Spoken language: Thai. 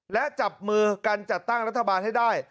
และจับมือกันจัดตั้งรัฐบาลให้ได้